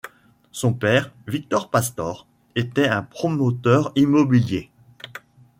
Son père, Victor Pastor, était un promoteur immobilier.